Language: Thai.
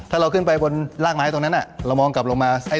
ถ้าเราขึ้นไปบนรากไม้ตรงนั้นเรามองกลับลงมา